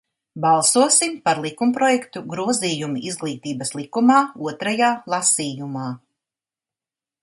"Balsosim par likumprojektu "Grozījumi Izglītības likumā" otrajā lasījumā!"